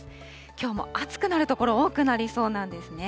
きょうも暑くなる所、多くなりそうなんですね。